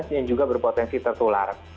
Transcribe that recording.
yang juga berpotensi tertular